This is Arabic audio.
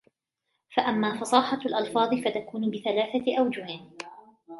فَأَمَّا فَصَاحَةُ الْأَلْفَاظِ فَتَكُونُ بِثَلَاثَةِ أَوْجُهٍ